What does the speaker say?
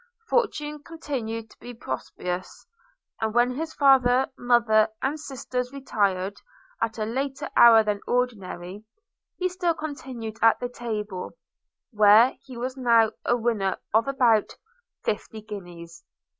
Fortune continued to be propitious; and when his father, mother and sisters retired, at a later hour than ordinary, he still continued at the table, where he was now a winner of about fifty guineas.